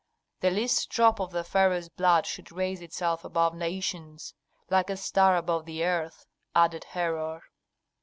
"The least drop of the pharaoh's blood should raise itself above nations, like a star above the earth," added Herhor.